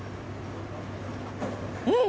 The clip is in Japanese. うん！